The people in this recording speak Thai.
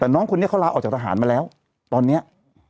แต่น้องคนนี้เขาลาออกจากทหารมาแล้วตอนนี้